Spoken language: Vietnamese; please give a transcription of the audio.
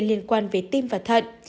liên quan về tim và thận